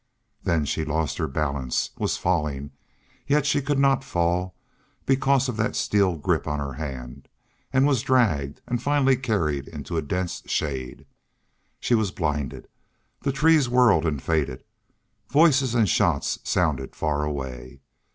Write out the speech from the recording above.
Then she lost her balance, was falling, yet could not fall because of that steel grip on her hand, and was dragged, and finally carried, into a dense shade. She was blinded. The trees whirled and faded. Voices and shots sounded far away.